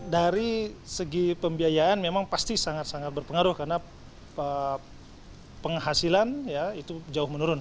dari segi pembiayaan memang pasti sangat sangat berpengaruh karena penghasilan ya itu jauh menurun